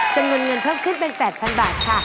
จำนวนเงินเพิ่มขึ้นเป็น๘๐๐๐บาทค่ะ